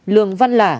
bốn lường văn lả